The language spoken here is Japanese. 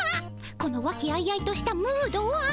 この和気あいあいとしたムードは。